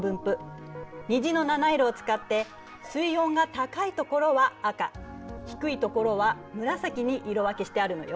虹の七色を使って水温が高いところは赤低いところは紫に色分けしてあるのよ。